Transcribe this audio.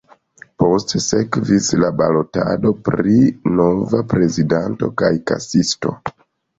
Poste sekvis la balotado pri nova prezidanto kaj kasisto.